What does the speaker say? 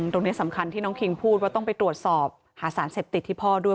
ตรงนี้สำคัญที่น้องคิงพูดว่าต้องไปตรวจสอบหาสารเสพติดที่พ่อด้วย